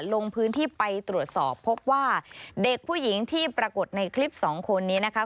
ลงพื้นที่ไปตรวจสอบพบว่าเด็กผู้หญิงที่ปรากฏในคลิปสองคนนี้นะคะ